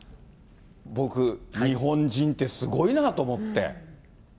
僕、日本人ってすごいなぁと思って。